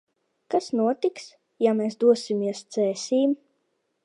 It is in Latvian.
Kas notiks, ja mēs dosimies Cēsīm?